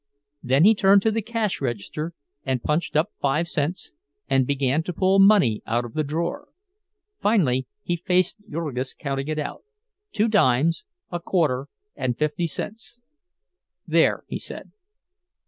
Then he turned to the cash register, and punched up five cents, and began to pull money out of the drawer. Finally, he faced Jurgis, counting it out—two dimes, a quarter, and fifty cents. "There," he said.